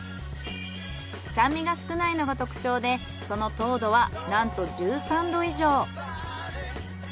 酸味が少ないのが特徴でその糖度はなんと１３度以上。